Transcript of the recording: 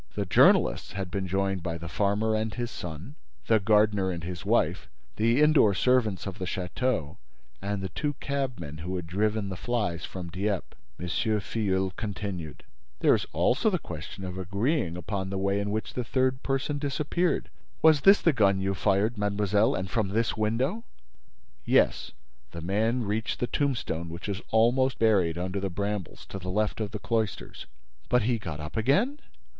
The journalists had been joined by the farmer and his son, the gardener and his wife, the indoor servants of the château and the two cabmen who had driven the flies from Dieppe. M. Filleul continued: "There is also the question of agreeing upon the way in which the third person disappeared. Was this the gun you fired, mademoiselle, and from this window?" "Yes. The man reached the tombstone which is almost buried under the brambles, to the left of the cloisters." "But he got up again?"